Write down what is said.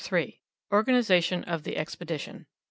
ORGANIZATION OF THE EXPEDITION.